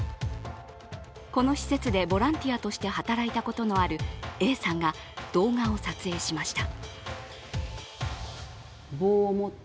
この施設でボランティアとして働いたことのあるＡさんが動画を撮影しました。